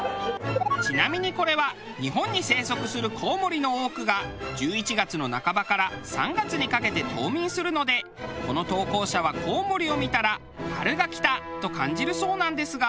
ちなみにこれは日本に生息するコウモリの多くが１１月の半ばから３月にかけて冬眠するのでこの投稿者はコウモリを見たら春が来たと感じるそうなんですが。